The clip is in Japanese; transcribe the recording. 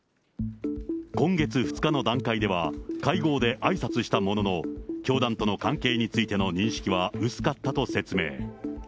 今月２日の段階では、会合であいさつしたものの、教団との関係についての認識は薄かったと説明。